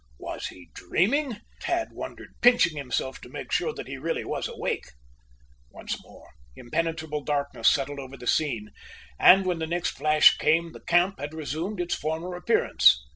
Was he dreaming? Tad wondered, pinching himself to make sure that he really was awake. Once more, impenetrable darkness settled over the scene, and, when the next flash came the camp had resumed its former appearance.